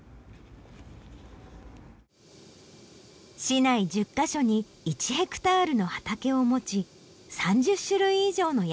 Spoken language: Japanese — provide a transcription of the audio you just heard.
市内１０カ所に１ヘクタールの畑を持ち３０種類以上の野菜を育てています。